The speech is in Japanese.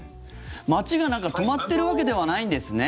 街が止まっているわけではないんですね。